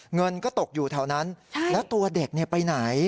เงินก็ตกอยู่แถวนั้นแล้วตัวเด็กไปไหน